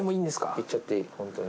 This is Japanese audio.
行っちゃっていいホントに。